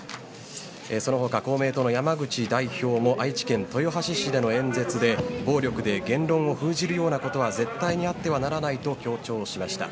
その他、公明党の山口代表も愛知県豊橋市での演説で暴力で言論を封じるようなことは絶対にあってはならないと強調しました。